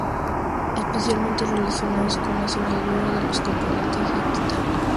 Especialmente relacionados con la soldadura de los componentes de titanio.